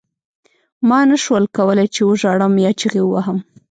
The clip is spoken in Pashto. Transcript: ما نشول کولای چې وژاړم یا چیغې ووهم